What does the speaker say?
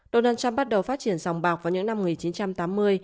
donald trump bắt đầu phát triển dòng bạc vào những năm một nghìn chín trăm tám mươi